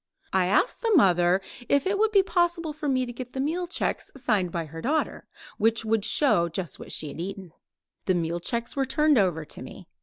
I asked the mother if it would be possible for me to get the meal checks signed by her daughter, which would show just what she had eaten. The meal checks were turned over to me.